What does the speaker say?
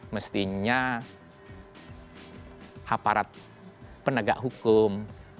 mestinya aparat penegak hukum